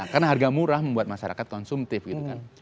karena harga murah membuat masyarakat konsumtif gitu kan